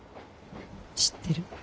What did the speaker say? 知ってる。